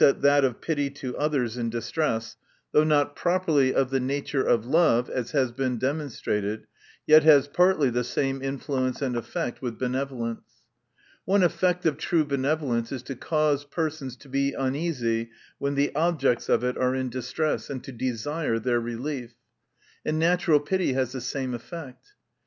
that of pity to others in distress, though not properly of the nature of love, as has been demonstrated, yet has partly the same influence and effect with benevo lence. One effect of true benevolence is to cause persons to be uneasy, when the objects of it are in distress, and to desire their relief. And natural pity has the same effect.